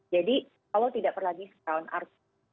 jadi kalau tidak pernah discount